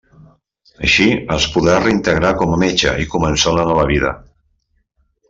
Així, es podrà reintegrar com a metge i començar una nova vida.